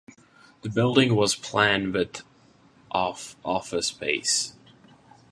The building was planned with of office space.